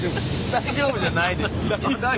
大丈夫じゃないです。